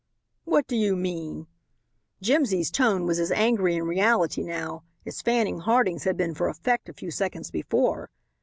"What do you mean?" Jimsy's tone was as angry in reality now as Fanning Harding's had been for effect a few seconds before.